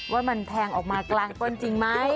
ว่ามันแทงออกมากลางก้นจริงไหม